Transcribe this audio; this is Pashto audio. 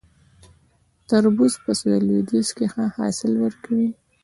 تربوز په سویل لویدیځ کې ښه حاصل ورکوي